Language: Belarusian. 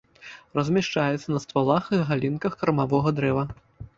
Размяшчаецца на ствалах і галінках кармавога дрэва.